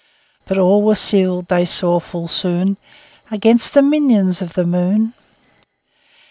But all were sealed, they saw full soon, Against the minions of the moon.